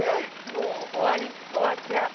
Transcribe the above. もう終わっちゃう。